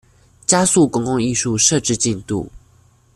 加速公共藝術設置進度